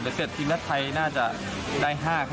เมื่อเสร็จทีมนัดไทยน่าจะได้๕คะแนนนะครับ